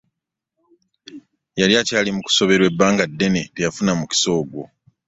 Yali akyali mu kusoberwa ebbanga ddene teyafuna mukisa ogwo.